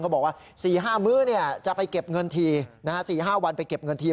บอกว่า๔๕มื้อจะไปเก็บเงินที๔๕วันไปเก็บเงินที